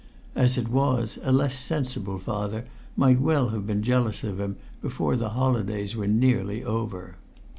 As it was, a less sensible father might well have been jealous of him before the holidays were nearly over.